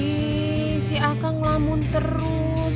ih si akang ngelamun terus